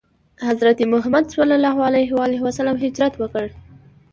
حضرت محمد ﷺ هجرت وکړ.